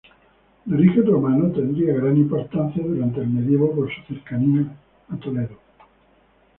De origen romano, tendría gran importancia durante el medievo por su cercanía a Toledo.